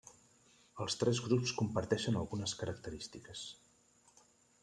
Els tres grups comparteixen algunes característiques.